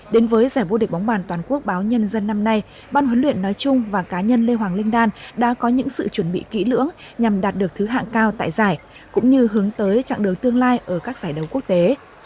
đến với giải vô địch bóng bàn toàn quốc báo nhân dân năm nay ban huấn luyện nói chung và cá nhân lê hoàng linh đan đã có những sự chuẩn bị kỹ lưỡng nhằm đạt được thứ hạng cao tại giải cũng như hướng tới trạng đấu tương lai ở các giải đấu quốc tế